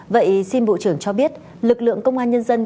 vậy xin bộ trưởng cho biết lực lượng công an nhân dân